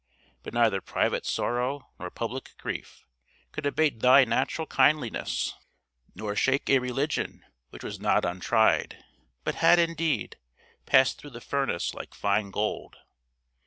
But neither private sorrow nor public grief could abate thy natural kindliness, nor shake a religion which was not untried, but had, indeed, passed through the furnace like fine gold.